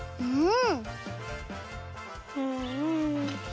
うん。